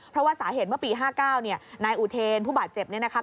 เพราะว่าสาเหตุว่าปี๕๙นายอุเทนผู้บาดเจ็บนี่นะคะ